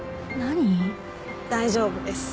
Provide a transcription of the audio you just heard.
大丈夫です。